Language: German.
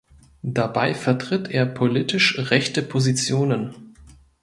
Dabei vertritt er politisch rechte Positionen.